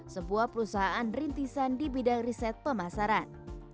sebuah perusahaan rintisan di bidang riset pemasaran